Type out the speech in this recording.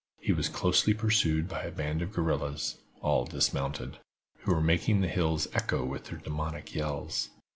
He was closely pursued by a band of the guerrillas, all dismounted, who were making the hills echo with their demoniac yells.